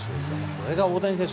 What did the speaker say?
それが、大谷選手